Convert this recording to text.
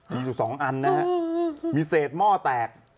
มีอยู่๒อันนะฮะมีเศษหม้อแตก